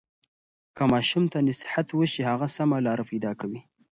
که ماشوم ته نصیحت وشي، هغه سمه لاره پیدا کوي.